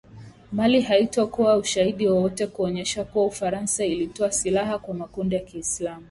Mali haikutoa ushahidi wowote kuonyesha kuwa Ufaransa ilitoa silaha kwa makundi ya Kiislamu